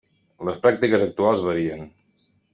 Les pràctiques actuals varien.